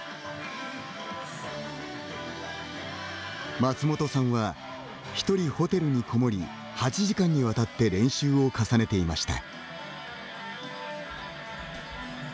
松本さんはひとりホテルにこもり８時間にわたって練習を重ねていました。